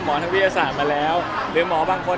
ทางวิทยาศาสตร์มาแล้วหรือหมอบางคน